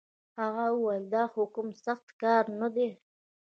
هغه وويل دا خو کوم سخت کار نه دی.